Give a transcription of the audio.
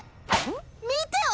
見てよ